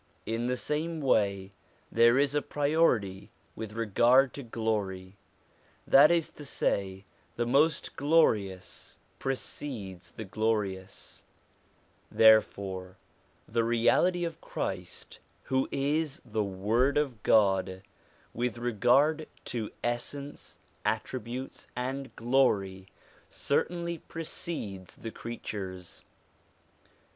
In the same way there is a priority with regard to glory: that is to say, the most glorious precedes the 1 i.e. the Reality of Christ. 132 SOME CHRISTIAN SUBJECTS 133 glorious. Therefore the Reality of Christ, who is the Word of God, with regard to essence, attributes, and glory, certainly precedes the creatures.